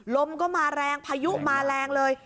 ลมก็มาแรงพายุมาแรงเลย